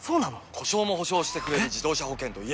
故障も補償してくれる自動車保険といえば？